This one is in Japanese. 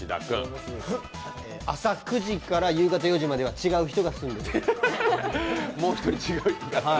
朝９時から夕方４時までは違う人が住んでいる？